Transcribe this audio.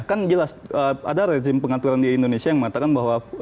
kan jelas ada rezim pengaturan di indonesia yang mengatakan bahwa